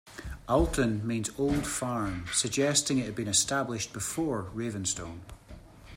Alton means "old farm", suggesting that it had been established before Ravenstone.